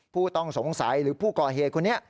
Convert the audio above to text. ผู้ต้องสงสัยหรือผู้ก่อเหตุคนนี้